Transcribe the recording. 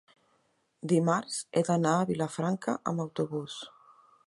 Dimarts he d'anar a Vilafranca amb autobús.